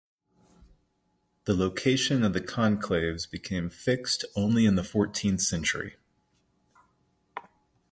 The location of the conclaves became fixed only in the fourteenth century.